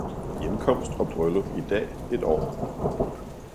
Hjemkomst og bryllup i dag et år!